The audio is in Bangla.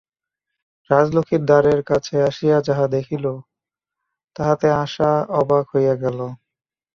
রাজলক্ষ্মীর দ্বারের কাছে আসিয়া যাহা দেখিল, তাহাতে আশা অবাক হইয়া গেল।